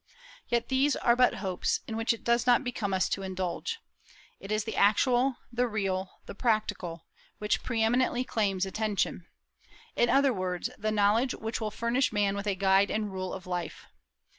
Yet these are but hopes, in which it does not become us to indulge. It is the actual, the real, the practical, which pre eminently claims attention, in other words, the knowledge which will furnish man with a guide and rule of life.